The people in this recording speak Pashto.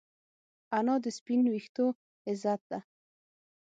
انا د سپین ویښتو عزت ده